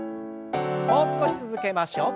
もう少し続けましょう。